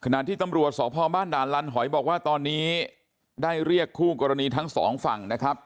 ขณะที่ตำรวจสพบ้านด่านลันหอยบอกว่าตอนนี้ได้เรียกคู่กรณีทั้งสองฝั่งนะครับ